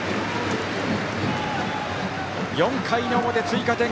４回の表、追加点